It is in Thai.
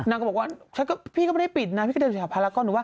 นางก็บอกว่าพี่ก็ไม่ได้ปิดนะพี่ก็เดินถึงแถวพารากอน